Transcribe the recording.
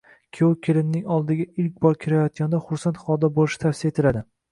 Kuyov kelinning oldiga ilk bor kirayotganida xursand holda bo‘lishi tavsiya etiladi.